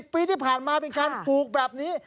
ปีที่ผ่านมาเป็นการปลูกแบบนี้